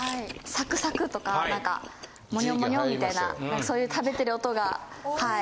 サクサクとかモニョモニョみたいなそういう食べてる音がはい。